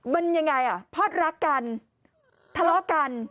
มันยังไงอ่ะพอดรักกันทะเลาะกัน